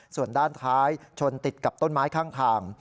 ส่วนด้านท้ายชนติดกับต้นไม้ข้างทาง